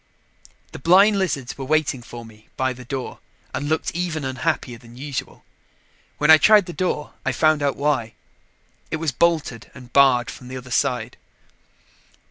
The blind lizards were waiting for me by the door and looked even unhappier than usual. When I tried the door, I found out why it was bolted and barred from the other side.